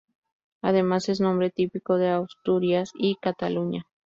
Además es nombre típico en Asturias y Cataluña.